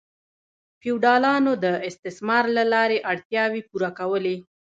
فیوډالانو د استثمار له لارې اړتیاوې پوره کولې.